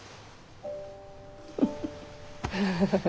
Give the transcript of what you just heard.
フフフフ。